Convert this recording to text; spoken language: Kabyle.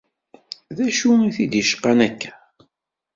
D acu i t-id-icqan akka?